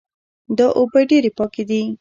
دا اوبه ډېرې پاکې دي